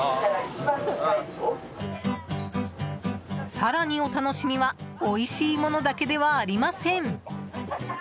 更に、お楽しみはおいしいものだけではありません。